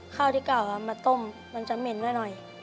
ข้าวที่เก่าเอามาต้มมันจะเหม็นไว้หน่อย